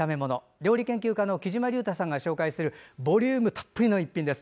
料理研究家のきじまりゅうたさんが紹介するボリュームたっぷりの一品です。